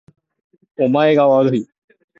お前がわるい